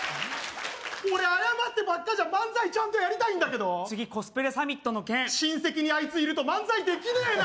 俺謝ってばっかじゃん漫才ちゃんとやりたいんだけど次コスプレサミットの件親戚にあいついると漫才できねえな！